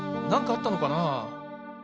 なんかあったのかな？